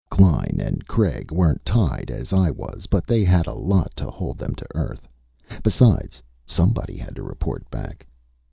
Klein and Craig weren't tied as I was, but they had a lot to hold them to Earth. Besides, somebody had to report back.